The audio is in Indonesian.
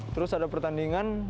terus ada pertandingan